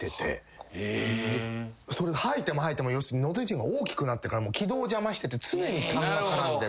それ吐いても吐いても喉ちんこが大きくなってるから気道を邪魔してて常にたんが絡んでる。